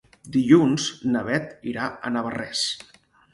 Dilluns na Beth irà a Navarrés.